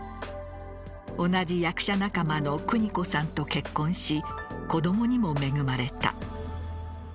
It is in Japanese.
同じ役者仲間のくに子さんと結婚し子どもにも恵まれた。